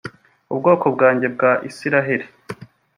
ubwoko bwanjye bwa isirayeli